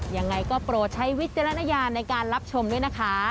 ยังไงก็โปรดใช้วิจารณญาณในการรับชมด้วยนะคะ